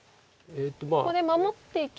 ここで守っていけば。